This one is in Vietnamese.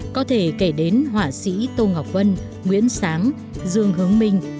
có thể kể đến họa sĩ tô ngọc vân nguyễn sáng dương hướng minh